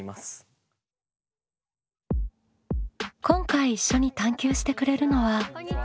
今回一緒に探究してくれるのは。